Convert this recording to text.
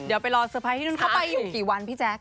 เดี๋ยวไปรอเตอร์ไพรส์ที่นู่นเขาไปอยู่กี่วันพี่แจ๊ค